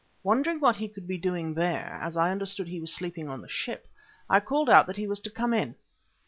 Wondering what he could be doing there, as I understood he was sleeping on the ship, I called out that he was to come in.